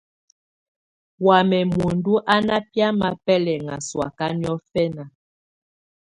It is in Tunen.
Wamɛ̀́ muǝndù à nà biamɛ̀á bɛlɛŋà sɔ̀áka niɔ̀fɛna.